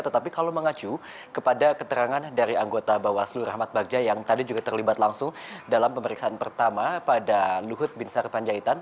tetapi kalau mengacu kepada keterangan dari anggota bawaslu rahmat bagja yang tadi juga terlibat langsung dalam pemeriksaan pertama pada luhut bin sarpanjaitan